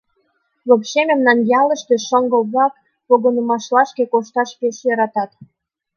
Вообще, мемнан ялыште шоҥго-влак погынымашлашке кошташ пеш йӧратат.